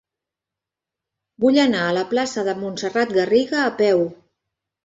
Vull anar a la plaça de Montserrat Garriga a peu.